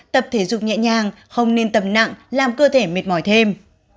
tập thể dục nhẹ nhàng không nên tầm nặng làm cơ thể mệt mỏi thêm